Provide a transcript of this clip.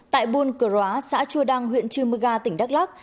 tại buôn cửa róa xã chua đăng huyện chư mưa ga tỉnh đắk lắc